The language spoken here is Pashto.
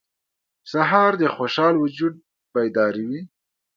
سهار د خوشحال وجود بیداروي.